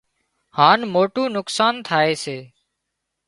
هانَ موٽُون نقصان ٿائي سي